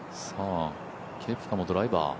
ケプカもドライバー。